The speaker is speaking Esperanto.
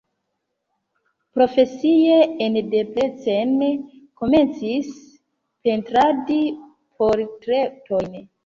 Profesie en Debrecen komencis pentradi portretojn.